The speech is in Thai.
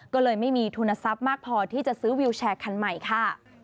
ก็เลยไม่มีทุนทรัพย์มากพอที่จะซื้อวิวแชร์คันใหม่ค่ะ